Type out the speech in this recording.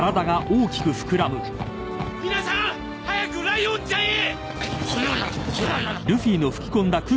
皆さんッ早くライオンちゃんへ！